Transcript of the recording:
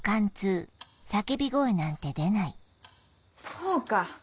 そうか。